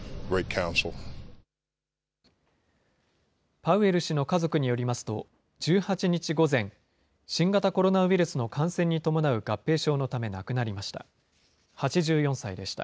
パウエル氏の家族によりますと、１８日午前、新型コロナウイルスの感染に伴う合併症のため亡くなりました。